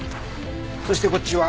そしてこっちは